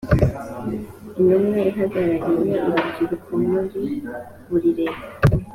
intumwa ihagarariye urubyiruko muri buri leta